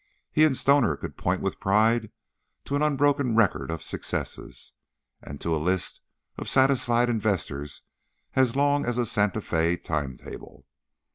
He and Stoner could point with pride to an unbroken record of successes and to a list of satisfied investors as long as a Santa Fe time table.